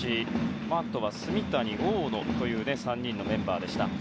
あとは炭谷、大野という３人のメンバーでした。